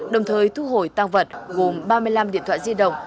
đồng thời thu hồi tăng vật gồm ba mươi năm điện thoại di động